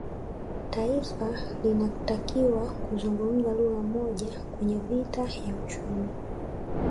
Taifa linatakiwa kuzungumza lugha moja kwenye vita ya uchumi